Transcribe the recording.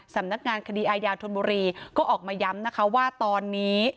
สำนักงานคดีอายาธนบุรีก็ออกมาย้ำนะคะว่าตอนนี้